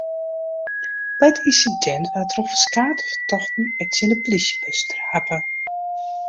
By it ynsidint waard troch ferskate fertochten ek tsjin de plysjebus trape.